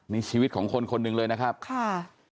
นี่ชีวิตของคนคนหนึ่งเลยนะครับค่ะ